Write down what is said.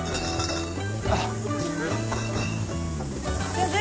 先生